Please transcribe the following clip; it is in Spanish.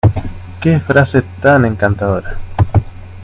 Qué frase tan encantadora...